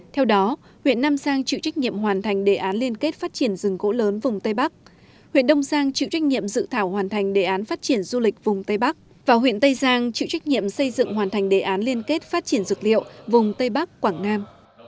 theo đó huyện nam giang chịu trách nhiệm hoàn thành đề án liên kết phát triển rừng gỗ lớn vùng tây bắc huyện đông giang chịu trách nhiệm dự thảo hoàn thành đề án phát triển du lịch vùng tây bắc và huyện tây giang chịu trách nhiệm xây dựng hoàn thành đề án liên kết phát triển dược liệu vùng tây bắc quảng nam